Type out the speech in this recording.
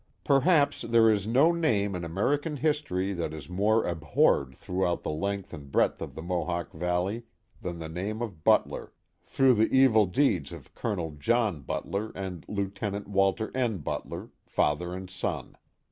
Perhaps there is no name in American history that is more abhorred throughout the length and breadth of the Mohawk Valley than the name of Butler, through the evil deeds of Col. John Butler and Lieut. Walter N. Butler, father and son.